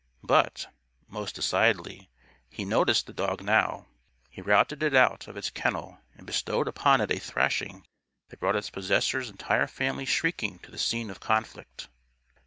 But, most decidedly, he noticed the dog now. He routed it out of its kennel and bestowed upon it a thrashing that brought its possessor's entire family shrieking to the scene of conflict.